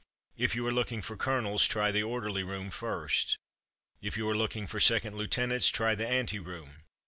If you are looking for colonels, try the orderly room first. If you are looking for second lieutenants, try the ante room.